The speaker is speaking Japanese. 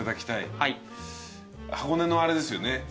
箱根のあれですよね？